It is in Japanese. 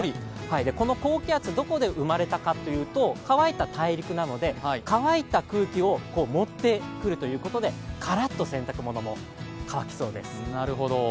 この高気圧、どこで生まれたかというと、乾いた大陸なので、乾いた空気を持ってくるということでからっと洗濯物も乾きそうです。